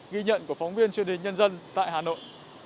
ghi nhận của phóng viên truyền hình nhân dân tại hà nội